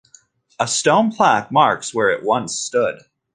A stone plaque marks where it once stood.